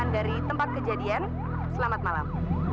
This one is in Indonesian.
dari tempat kejadian selamat malam